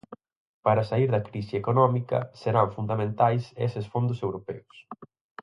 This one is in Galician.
Para saír da crise económica, serán fundamentais eses fondos europeos.